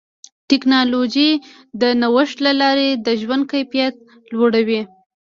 ټکنالوجي د نوښت له لارې د ژوند کیفیت لوړوي.